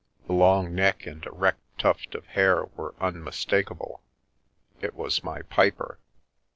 The long neck and er tuft of hair were unmistakable — it was my piper.